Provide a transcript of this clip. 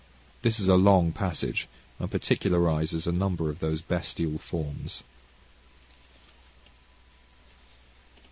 This is a long passage, and particularises a number of those bestial forms.